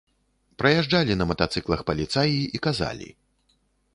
Праязджалі на матацыклах паліцаі і казалі.